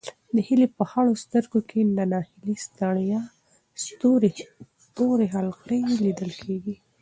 د هیلې په خړو سترګو کې د ناهیلۍ او ستړیا تورې حلقې لیدل کېدې.